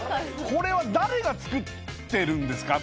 これは誰が作ってるんですか？